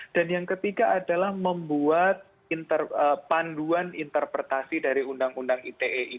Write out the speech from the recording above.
dan yang ketiga adalah membuat panduan interpretasi dari undang undang ite itu